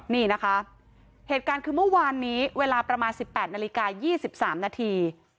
นี่นะคะเหตุการณ์คือเมื่อวานนี้เวลาประมาณ๑๘นาฬิกา๒๓นาที